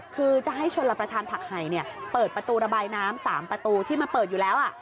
คือจะให้ชนรับประทานผักไห่เปิดประตูระบายน้ำ๓ประตูที่มันเปิดอยู่แล้ว